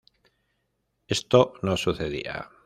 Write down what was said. Esto no sucedía.